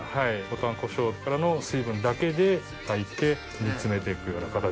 ぼたんこしょうからの水分だけで炊いて煮詰めて行くような形。